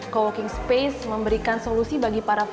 co working space memberikan solusi bagi para ve